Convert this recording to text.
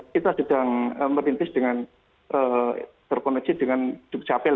kita sedang merintis dengan terkoneksi dengan dukcapil